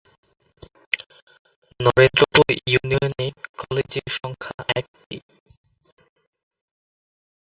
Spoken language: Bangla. নরেন্দ্রপুর ইউনিয়ন এ কলেজের সংখ্যা একটি।